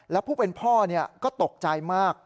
แล้วผู้เป็นพ่อก็ตกใจมาก